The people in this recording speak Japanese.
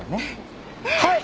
はい！